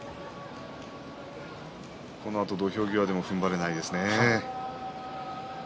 土俵際でもふんばれないですね。